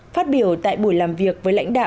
phát biểu tại buổi làm việc với lãnh đạo